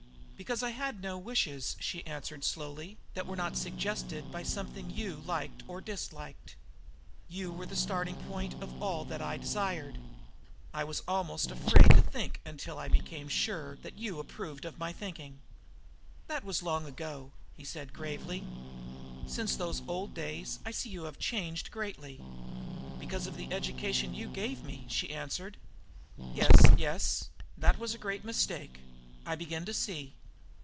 "Because I had no wishes," she answered slowly, "that were not suggested by something that you liked or disliked. You were the starting point of all that I desired. I was almost afraid to think until I became sure that you approved of my thinking." "That was long ago," he said gravely. "Since those old days I see you have changed greatly." "Because of the education you gave me," she answered. "Yes, yes, that was the great mistake. I begin to see.